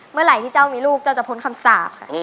เมื่อไหร่ที่เจ้ามีลูกเจ้าจะพ้นคำสาปค่ะ